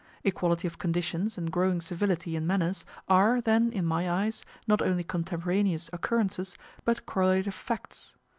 Equality of conditions and growing civility in manners are, then, in my eyes, not only contemporaneous occurrences, but correlative facts.